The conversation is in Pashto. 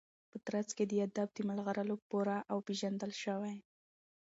په ترڅ کي د ادب د مرغلرو پوره او پیژندل شوي